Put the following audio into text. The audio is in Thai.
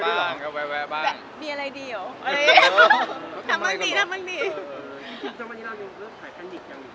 อ้าวหาพร้อมครอบครอน